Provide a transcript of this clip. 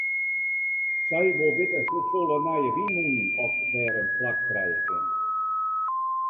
Sy wol witte hoefolle nije wynmûnen oft dêr in plak krije kinne.